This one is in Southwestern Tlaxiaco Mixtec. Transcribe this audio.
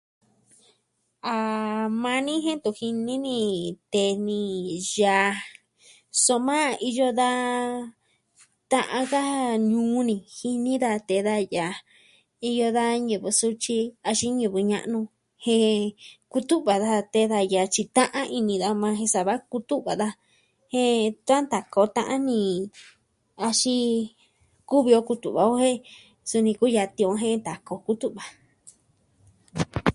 A maa ni jen ntu jini ni tee ni yaa, soma nuu ni iyo da ta'an ka nuu ni jini da tee da yaa. Iñɨ da ñivɨ sutyi axin ñivɨ ña'nu jen kutu'va daa tee da yaa tyi ta'an ini da maa jen sava kutu'va daa tiaan ta koo ta'an ni axin kuvi o klutu'va o jen suni kuiya tiuun jen ta koo kutu'va.